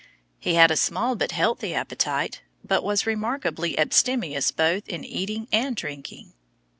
He had a small but healthy appetite, but was remarkably abstemious both in eating and drinking.